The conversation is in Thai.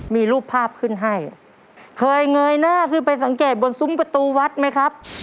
มีรูปภาพขึ้นให้เคยเงยหน้าขึ้นไปสังเกตบนซุ้มประตูวัดไหมครับ